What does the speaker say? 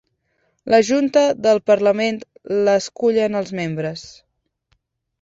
La junta del parlament l'escullen els membres.